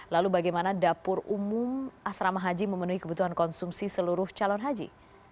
lalu bagaimana dapur umum asrama haji memenuhi kebutuhan konsumsi seluruh calon haji